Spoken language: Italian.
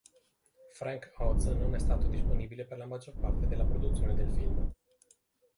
Frank Oz non è stato disponibile per la maggior parte della produzione del film.